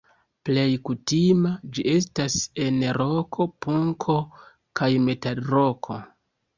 Plej kutima ĝi estas en roko, punko kaj metalroko.